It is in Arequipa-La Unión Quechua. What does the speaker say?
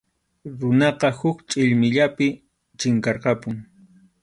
Runaqa huk chʼillmiyllapi chinkarqapun.